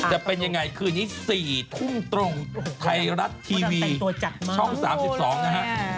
จะเป็นยังไงคืนนี้๔ทุ่มตรงไทยรัฐทีวีช่อง๓๒นะฮะ